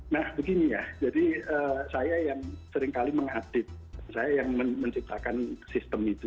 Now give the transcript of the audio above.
nah begini ya jadi saya yang seringkali mengupdate saya yang menciptakan sistem itu